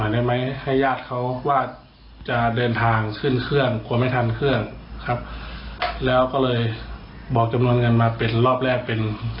ได้ยาทว่าจะเดินทางขึ้นเครื่องหน่วยทานเครื่องครับแล้วก็เลยบอกจำนวนเงินมาเป็นรอบแรกเป็น๔๐๐๐